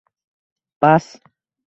Bas